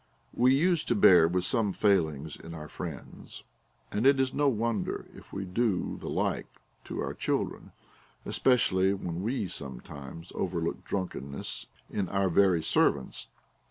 We use to bear with some faiUngs in our friends, and it is no wonder if we do the like to our children, especially Avhen we sometimes overlook drunken ness in our very servants.